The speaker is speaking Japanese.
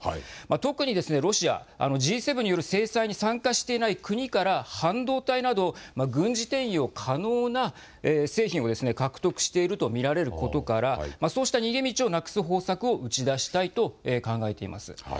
特にロシア、Ｇ７による制裁に参加していない国から半導体など軍事転用可能な製品を獲得していると見られることからそうした逃げ道をなくす方策を打ち出したいと考えています。